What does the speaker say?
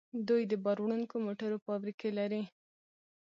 دوی د بار وړونکو موټرو فابریکې لري.